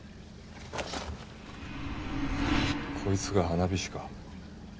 こいつが花火師か？